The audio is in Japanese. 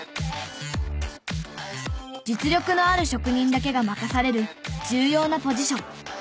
実力のある職人だけが任される重要なポジション。